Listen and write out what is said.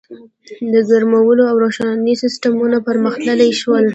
• د ګرمولو او روښنایۍ سیستمونه پرمختللي شول.